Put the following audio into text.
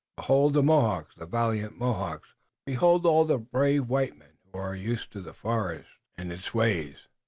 Behold the Mohawks, the valiant Ganeagaono! Behold all the brave white men who are used to the forest and its ways!